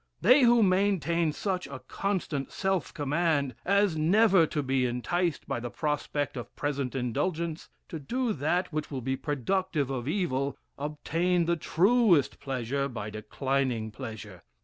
They who maintain such a constant self command, as never to be enticed by the prospect of present indulgence, to do that which will be productive of evil, obtain the truest pleasure by declining pleasure.